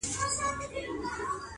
په لوړو سترګو ځمه له جهانه قاسم یاره،